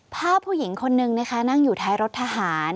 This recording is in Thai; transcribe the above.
ผู้หญิงคนนึงนะคะนั่งอยู่ท้ายรถทหาร